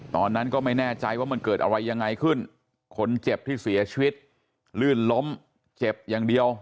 ตอนนั้นก็ไม่แน่ใจว่ามันเกิดอะไรยังไงขึ้นคนเจ็บที่เสียชีวิตลื่นล้มเจ็บอย่างเดียว